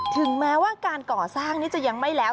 ถึงแม้ว่าการก่อสร้างนี้จะยังไม่แล้ว